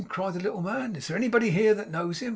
cried the little man. 'Is there anybody here that knows him?